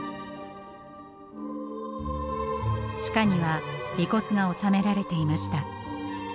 地下には遺骨が納められていました。